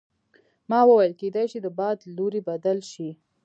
ما وویل کیدای شي د باد لوری بدل شي.